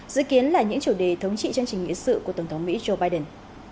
dự kiến là những chủ đề thống trị chương trình nghị sự của tổng thống mỹ joe biden